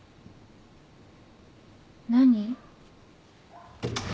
何？